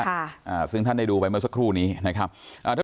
อ่าซึ่งท่านได้ดูไปเมื่อสักครู่นี้นะครับอ่า